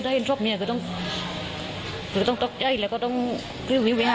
ถ้าเห็นชอบเมียก็ต้องตกใจเลย